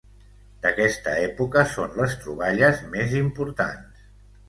D'aquesta època són les troballes més importants.